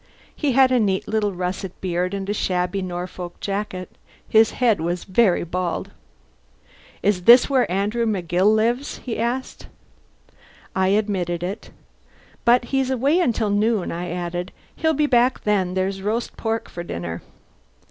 He had a neat little russet beard and a shabby Norfolk jacket. His head was very bald. "Is this where Andrew McGill lives?" he said. I admitted it. "But he's away until noon," I added. "He'll be back then. There's roast pork for dinner."